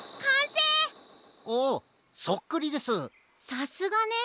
さすがね！